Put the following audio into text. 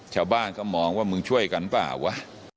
ชาวบ้านก็มองว่ามึงช่วยกันเปล่าวะ